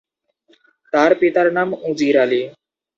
তার পিতার নাম উজির আলী।